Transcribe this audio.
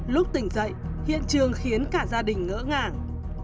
lúc tỉnh dậy hiện trường khiến cả gia đình ngỡ ngàng